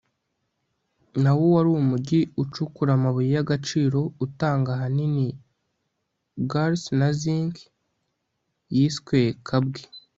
nawo wari umujyi ucukura amabuye y'agaciro, utanga ahanini gurş na zinc. yiswe kabwe